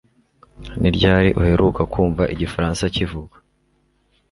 Ni ryari uheruka kumva igifaransa kivugwa?